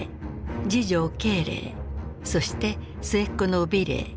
次女慶齢そして末っ子の美齢。